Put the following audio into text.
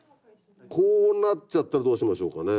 こうなっちゃったらどうしましょうかねぇ。